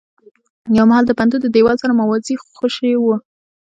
يو مهال د پوهنتون د دېوال سره موازي خوشې و.